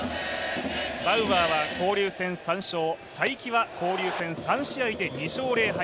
バウアーは交流戦３勝才木は交流戦３試合で２勝０敗。